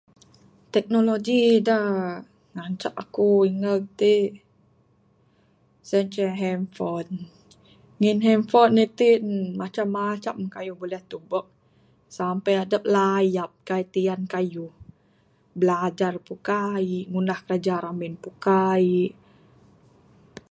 Teknologi da ngancak aku ingeg ti sien ceh handphone. Ngin handphone itin macam-macam kayuh buleh tubek sampe adup layap kaii tiyan kayuh bilajar pun kaii ngunah kiraja ramin pun kaii.